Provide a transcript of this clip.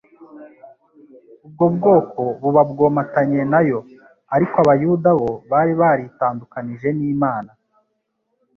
Ubwo bwoko buba bwomatanye na yo. Ariko Abayuda bo bari baritandukanije n'Imana.